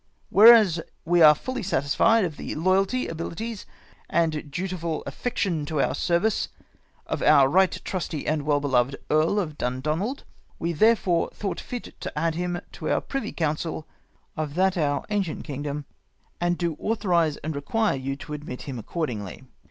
"Whereas we are fully satisfied of the loyalty, abilities, and dutiful affection to our service, of our right trusty and well beloved Earl of Dundonald, we have therefore thought fit to add him to our Privy Council of that our ancient king 28 ACCOUNT OP THE DUNDOXALD FAMILY. dom, aud do authorise and require you to admit him accord ingly.